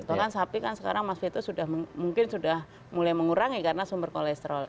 soal kan sapi kan sekarang mas vito sudah mungkin sudah mulai mengurangi karena sumber kolesterol